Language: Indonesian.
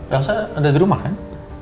elsa ada di rumah kan